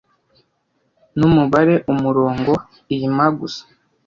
numubare umurongo iyi magus